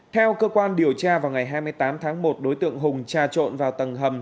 theo cơ quan điều tra vào ngày hai mươi tám tháng một đối tượng hùng trà trộn vào tầng hầm